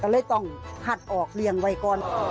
ก็เลยต้องหัดออกเลี้ยงไว้ก่อน